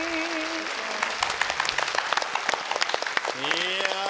いや。